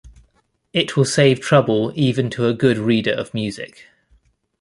It will save trouble even to a good reader of music.